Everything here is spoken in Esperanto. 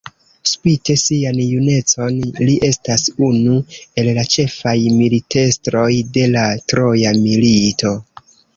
Spite sian junecon li estas unu el la ĉefaj militestroj de la Troja Milito.